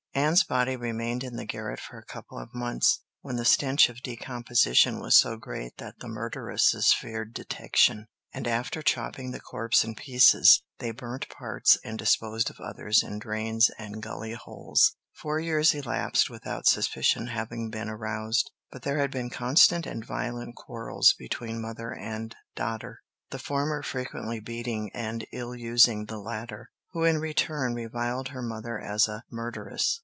Anne's body remained in the garret for a couple of months, when the stench of decomposition was so great that the murderesses feared detection, and after chopping the corpse in pieces, they burnt parts and disposed of others in drains and gully holes. Four years elapsed without suspicion having been aroused, but there had been constant and violent quarrels between mother and daughter, the former frequently beating and ill using the latter, who in return reviled her mother as a murderess.